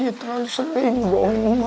ya terlalu sering dong ma